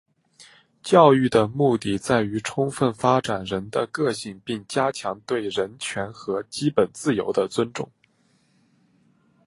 教育的目的在于充分发展人的个性并加强对人权和基本自由的尊重。